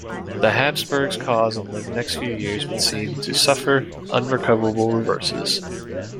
The Habsburg cause in the next few years would seem to suffer unrecoverable reverses.